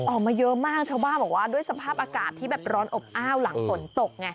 ออกมาเยอะมากเท่าบ้างด้วยสภาพอากาศที่แบบร้อนอบอ้าวหลังฝนตก